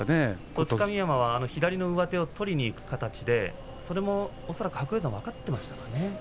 栃神山は左の上手を取りにいく形でそれも白鷹山は恐らく分かっていましたかね。